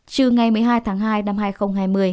trừ ngày một mươi hai tháng hai năm hai nghìn hai mươi